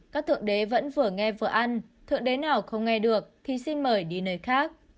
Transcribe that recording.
các thượng đế vẫn vừa nghe vừa ăn thượng đế nào không nghe được thì xin mời đi nơi khác